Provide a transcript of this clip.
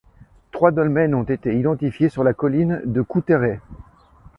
Trois dolmens ont été identifiés sur la colline de Coutérêt.